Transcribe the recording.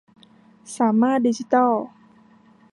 สามารถ ดิจิตอล